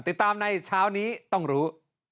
ติดตามในเช้านี้ต้องรู้